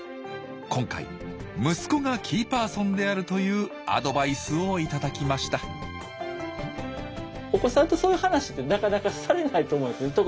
今回息子がキーパーソンであるというアドバイスを頂きましたお子さんとそういう話ってなかなかされないと思うんですね。